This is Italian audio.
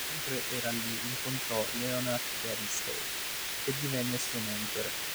Mentre era lì, incontrò Leonard Bernstein, che divenne il suo mentore.